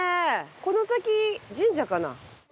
この先神社かな？